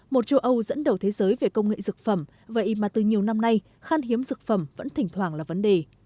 một châu âu dẫn đầu thế giới về công nghệ dược phẩm vậy mà từ nhiều năm nay khan hiếm dược phẩm vẫn thỉnh thoảng là vấn đề